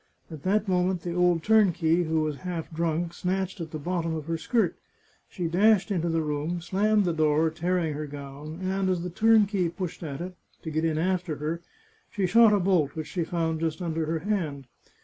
At that moment the old turnkey, who was half drunk, snatched at the bottom of her skirt. She dashed into the room, slammed the door, tearing her gown, and, as the turnkey pushed at it, to get in after her, she shot a bolt which she found just under her hand.